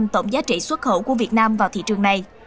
tổng giá trị xuất khẩu của việt nam vào thị trường này